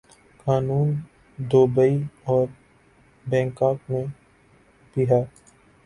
قانون دوبئی اور بنکاک میں بھی ہے۔